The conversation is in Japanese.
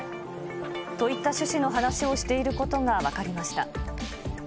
といった趣旨の話をしていることが分かりました。